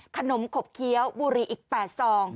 ขมขบเคี้ยวบุรีอีก๘ซอง